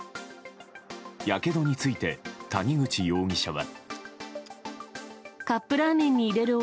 やけどについて谷口容疑者は。